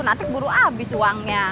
nanti buru abis uangnya